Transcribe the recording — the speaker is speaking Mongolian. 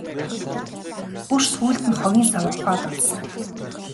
Бүр сүүлд нь хогийн саваа ухаад олсонгүй.